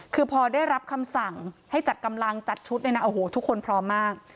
คือพอได้รับคำสั่งให้จัดกำลังจัดชุดเนี่ยนะโอ้โหทุกคนพร้อมมาก